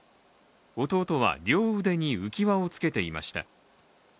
弟は両腕に浮き輪をつけていました。